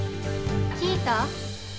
聞いた？